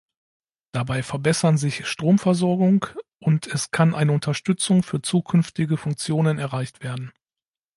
Dabei verbessern sich Stromversorgung und es kann eine Unterstützung für zukünftige Funktionen erreicht werden.